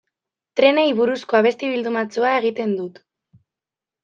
Trenei buruzko abesti bildumatxoa egiten dut.